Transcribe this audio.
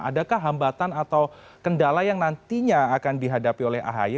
adakah hambatan atau kendala yang nantinya akan dihadapi oleh ahy